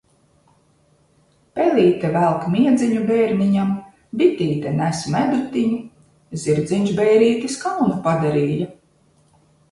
Pelīte velk miedziņu bērniņam, bitīte nes medutiņu, zirdziņš bērītis kaunu padarīja.